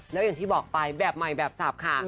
แล้วอย่างที่บอกไปแบบใหม่แบบสับค่ะ